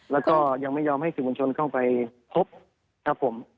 แล้วก็ยังไม่ยอมให้สื่อมวลชนเข้าไปพบครับผม